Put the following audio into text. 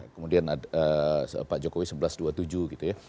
kemudian pak jokowi sebelas dua puluh tujuh gitu ya